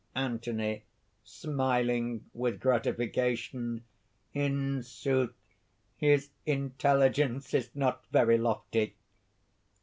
ANTHONY (smiling with gratification). "In sooth his intelligence is not ... very lofty."